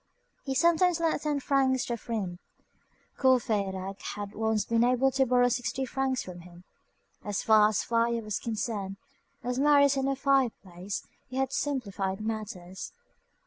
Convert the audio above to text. He sometimes lent ten francs to a friend. Courfeyrac had once been able to borrow sixty francs of him. As far as fire was concerned, as Marius had no fireplace, he had "simplified matters."